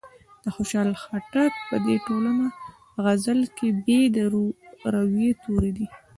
د خوشال خټک په دې ټوله غزل کې ب د روي توری دی.